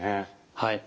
はい。